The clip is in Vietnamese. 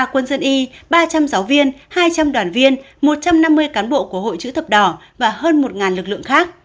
ba quân dân y ba trăm linh giáo viên hai trăm linh đoàn viên một trăm năm mươi cán bộ của hội chữ thập đỏ và hơn một lực lượng khác